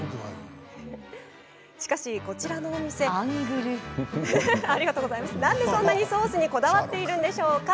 しかし、こちらのお店なんでそんなにソースにこだわっているんでしょうか？